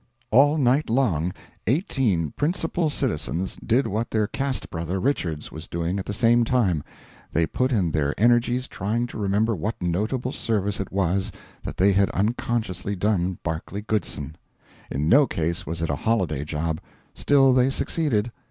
All night long eighteen principal citizens did what their caste brother Richards was doing at the same time they put in their energies trying to remember what notable service it was that they had unconsciously done Barclay Goodson. In no case was it a holiday job; still they succeeded.